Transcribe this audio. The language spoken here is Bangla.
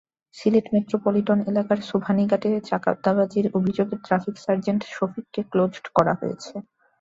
সিলেট মেট্রোপলিটান এলাকার সোবহানীঘাটে চাঁদাবাজির অভিযোগে ট্রাফিক সার্জেন্ট শফিককে ক্লোজড করা হয়েছে।